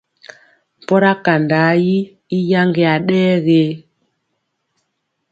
Mpɔra kandaa yi i yaŋgeya ɗɛ ge.